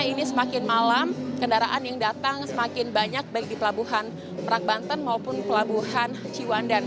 ini semakin malam kendaraan yang datang semakin banyak baik di pelabuhan merak banten maupun pelabuhan ciwandan